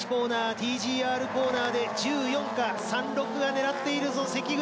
ＴＧＲコーナーで１４か３６が狙っているぞ関口。